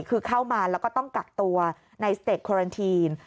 คือเข้ามาแล้วก็ต้องกักตัวในสเตจโครันทีน